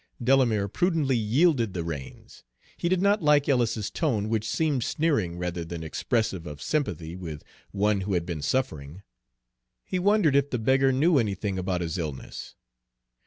Delamere prudently yielded the reins. He did not like Ellis's tone, which seemed sneering rather than expressive of sympathy with one who had been suffering. He wondered if the beggar knew anything about his illness.